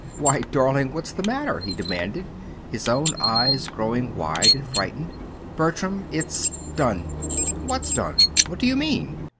"Why, darling, what's the matter?" he demanded, his own eyes growing wide and frightened. "Bertram, it's done!" "What's done? What do you mean?"